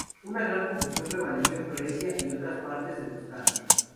Una gran confusión prevaleció en Florencia y otras partes de Toscana.